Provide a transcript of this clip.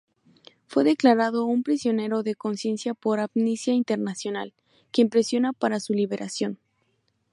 Fue declarado un prisionero de conciencia por Amnistía Internacional, quien presiona para su liberación.